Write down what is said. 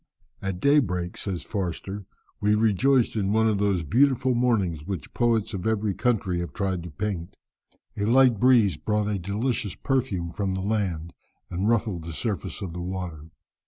"At daybreak," says Forster, "we rejoiced in one of those beautiful mornings which poets of every country have tried to paint. A light breeze brought a delicious perfume from the land, and ruffled the surface of the water.